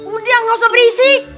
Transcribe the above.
udah gak usah berisik